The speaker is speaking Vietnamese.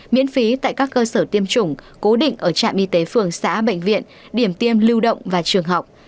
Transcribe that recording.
miễn phí tại các cơ sở tiêm chủng cố định ở trạm y tế phường xã bệnh viện điểm tiêm lưu động và trường học